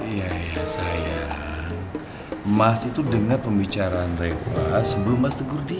iya ya sayang mas itu denger pembicaraan raifah sebelum mas tegur dia